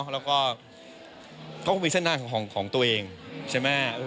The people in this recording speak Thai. แล้วก็เขาก็มีเส้นทางของตัวเองใช่ไหม